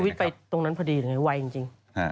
สู่วิทย์ไปตรงนั้นพอดีหรือไงไวจริง